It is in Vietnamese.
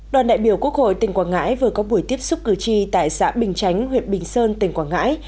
đoàn đại biểu quốc hội tỉnh quảng ngãi vừa có buổi tiếp xúc cử tri tại xã bình chánh huyện bình sơn tỉnh quảng ngãi